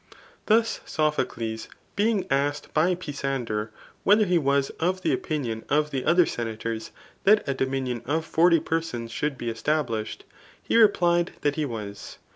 Thus, Sopho cles being asked by Pisander, whether he was of the opi nion of the other senators that ,a dominion of forty per sons 'should be established? he replied that he was.